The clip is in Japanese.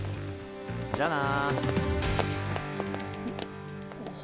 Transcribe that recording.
じゃあな。